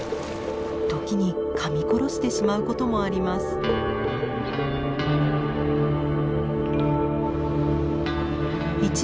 時にかみ殺してしまうこともあります。